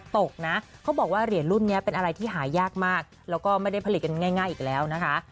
ทีนี้เป็นอะไรที่หายากมากแล้วก็ไม่ได้ผลิตกันง่ายอีกแล้วนะคะ